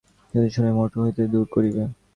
যদি না শুনে, মঠ হইতে দূর করিবে।